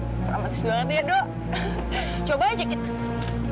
terima kasih banget ya dok coba aja kita